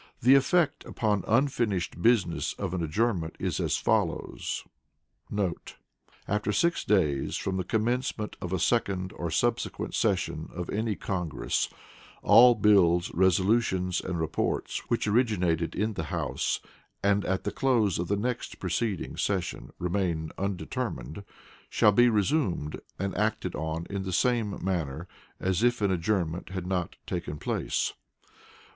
The effect upon Unfinished Business of an adjournment is as follows* ["After six days from the commencement of a second or subsequent session of any Congress, all bills, resolutions and reports which originated in the House, and at the close of the next preceding session remained undetermined, shall be resumed, and acted on in the same manner as if an adjournment had not taken place."